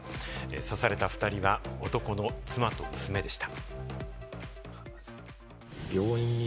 刺された２人は男の妻と娘でした。